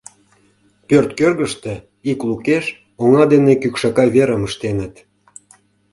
Пӧрт кӧргыштӧ ик лукеш оҥа дене кӱкшака верым ыштеныт.